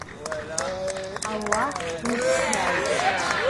Аллаҳ дуцхрааит!